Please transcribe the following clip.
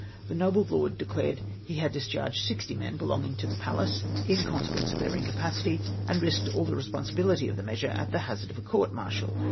The noble lord declared he had discharged sixty men belonging to the Pallas in con sequence of their incapacity, and risked all the resj)onsibility of the measure at the hazard of a court martial.